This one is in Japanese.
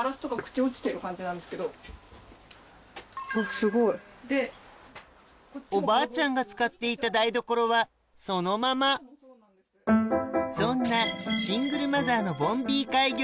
すごい。おばあちゃんが使っていた台所はそのままそんなシングルマザーのボンビー開業